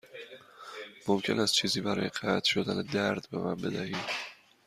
ممکن است چیزی برای قطع شدن درد به من بدهید؟